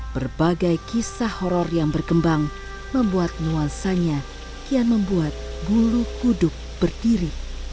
berbagai kisah horror yang berkembang membuat nuansanya kian membuat bulu kuduk berdiri